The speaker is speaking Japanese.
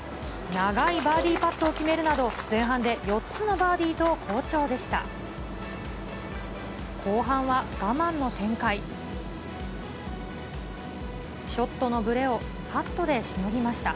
長いバーディーパットを決めるなど、前半で４つのバーディーと好調でした。